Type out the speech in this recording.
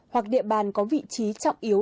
hoặc địa bàn có vị trí trọng yếu